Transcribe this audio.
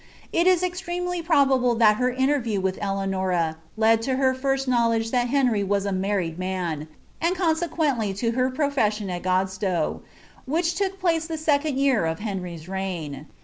It is extremely probable that her inierview wiih Doanura \ti to her first knowledge that Henry was a married man, and eonsHiDenilT lo heT profe«aion at GmIsiow, which took place the second year nf Henry's reign.